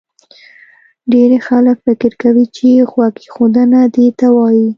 ډېری خلک فکر کوي چې غوږ ایښودنه دې ته وایي